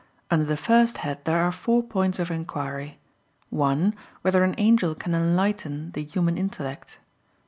Under the first head there are four points of inquiry: (1) Whether an angel can enlighten the human intellect?